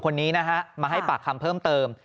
คนนี้นะฮะมาให้ปากคำเพิ่มเติม